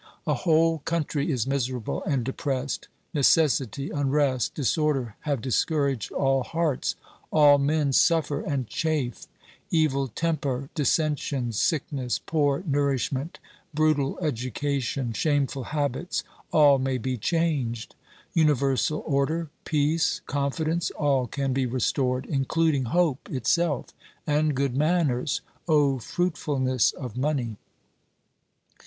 A whole country is miserable and depressed ; necessity, unrest, disorder have discouraged all hearts ; all men suffer and 284 OBERMANN chafe. Evil temper, dissensions, sickness, poor nourish ment, brutal education, shameful habits, all may be changed. Universal order, peace, confidence, all can be restored, including hope itself and good manners, O fruitfulness of money